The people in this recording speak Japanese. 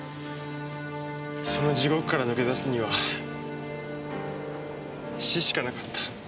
その地獄から抜け出すには死しかなかった。